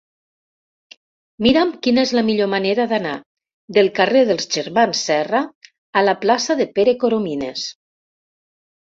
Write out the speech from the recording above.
Mira'm quina és la millor manera d'anar del carrer dels Germans Serra a la plaça de Pere Coromines.